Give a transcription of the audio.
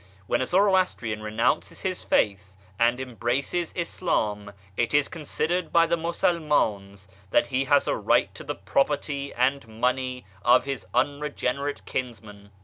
When a Zoroastrian renounces his faith and embraces Islam, it is considered by the Musulmans that he has a right to the property and money of his unregenerate kinsmen.